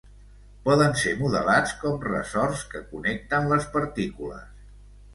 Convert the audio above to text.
Poden ser modelats com ressorts que connecten les partícules.